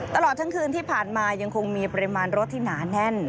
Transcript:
ตลอดทั้งคืนที่ผ่านมายังคงมีปริมาณรถที่หนาแน่น